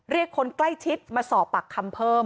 เรียกคนใกล้ทิศมาสอบปากคำเพิ่ม